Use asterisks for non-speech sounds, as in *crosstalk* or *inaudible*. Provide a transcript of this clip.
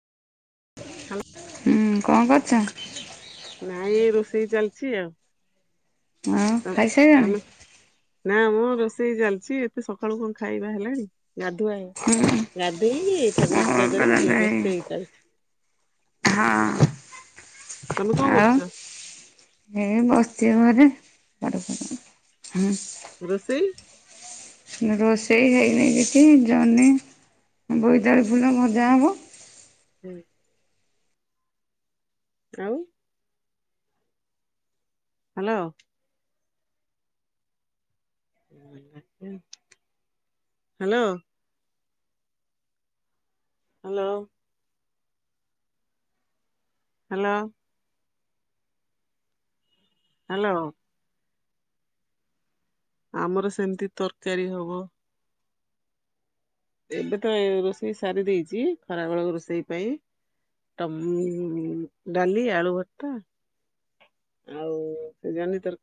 ହୁଁ କଣ କରୁଛ? ନାଇଁ, ଏ ରୋଷେଇ ଚାଲିଛି ଆଉ। ଆଉ ଖାଇସାରିଲଣି? କାନ *inaudible* ନା ମୁଁ ରୋଷେଇ ଚାଲିଛି। ଏତେ ସକାଳୁ କଣ ଖାଇବା ହେଲାଣି। ଗାଧୁଆ ହେ ଗାଧେଇକି ହଁ ଠାକୁର ପୂଜା କରି ରୋଷେଇ ଚାଲିଛି। ହଁ, ତମେ କଣ କରୁଛ? ଆଉ। ଏ ବସିିଚି ଘରେ ହୁଁ ରୋଷେଇ ରୋଷେଇ ହେଇନି କିଛି ଜହ୍ନି ବୋଇତାଳୁ ଫୁଲ ଭଜା ହେବ ହୁଁ। ଆଉ। Hello. Hello. Hello. Hello. Hello. ଆମର ସେମିତି ତରକାରୀ ହବ। ଏବେ ତ ରୋଷେଇ ସାରି ଦେଇଛି। ଖରା ବେଳକୁ ରୋଷେଇ ପାଇଁ ତ ମୁଁ ଡାଲି ଆଳୁ ଭର୍ତା ଆଉ ଜହ୍ନି ତର